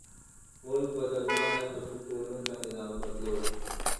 ملک بدلنا ہے تو سکولوں کا نظام بدلو۔